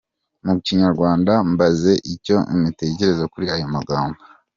Mu Kinyarwanda mbaze icyo mutekereza kuri aya magambo :